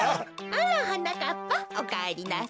あらはなかっぱおかえりなさい。